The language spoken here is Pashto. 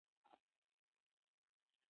ب : د مصلحتونو جلبول او د ضرر دفعه کول